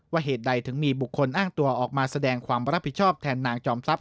เหตุใดถึงมีบุคคลอ้างตัวออกมาแสดงความรับผิดชอบแทนนางจอมทรัพย